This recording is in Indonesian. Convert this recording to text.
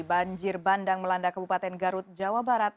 banjir bandang melanda kabupaten garut jawa barat